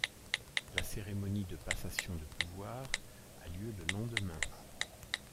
La cérémonie de passation de pouvoir a lieu le lendemain.